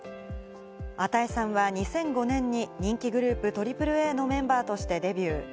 與さんは２００５年に人気グループ・ＡＡＡのメンバーとしてデビュー。